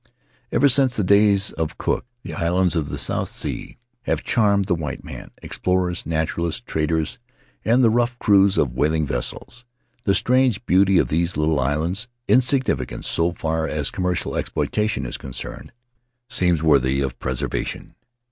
Ever since the days of Cook the islands of the South Sea have charmed the white man — explorers, naturalists, traders, and the rough crews of whaling vessels; the strange beauty of these little lands, insignificant so far [2951 Faery Lands of the South Seas as commercial exploitation is concerned, seems worthy of preservation.